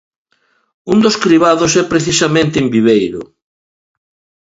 Un dos cribados é precisamente en Viveiro.